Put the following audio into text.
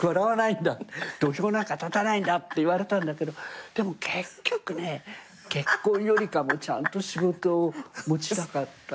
「土俵なんか立たないんだ」って言われたんだけどでも結局ね結婚よりかもちゃんと仕事を持ちたかった。